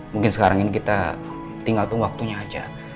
mungkin sekarang ini kita tinggal tunggu waktunya aja